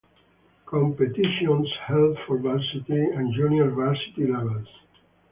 Competitions held for varsity and junior varsity levels.